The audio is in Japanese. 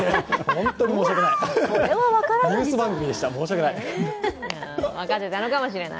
本当に申し訳ない。